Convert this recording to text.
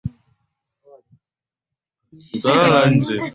Kila sentensi lazima ijitegemee kimaana na kisarufi.